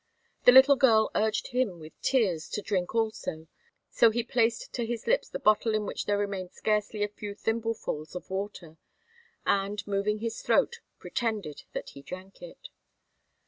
The little girl urged him with tears to drink also; so he placed to his lips the bottle in which there remained scarcely a few thimblefuls of water, and, moving his throat, pretended that he drank it.